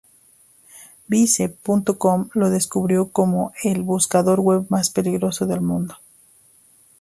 Vice.com lo describió como "el buscador web más peligroso del mundo".